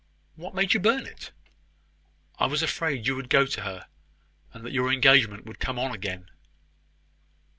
"What made you burn it?" "I was afraid you would go to her, and that your engagement would come on again."